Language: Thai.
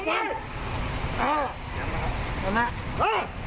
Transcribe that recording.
ขอบคุณครับ